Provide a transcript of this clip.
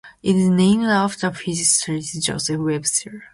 It is named after physicist Joseph Weber.